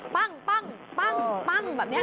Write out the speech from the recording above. ปั้งแบบนี้